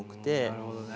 なるほどね。